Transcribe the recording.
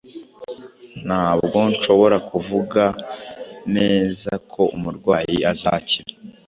Ntabwo nshobora kuvuga neza ko umurwayi azakira.